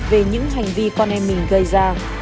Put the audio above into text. về những hành vi con em mình gây ra